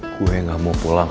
gue gak mau pulang